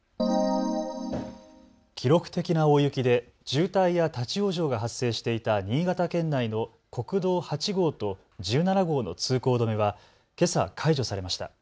記録的な大雪で渋滞や立往生が発生していた新潟県内の国道８号と１７号の通行止めはけさ解除されました。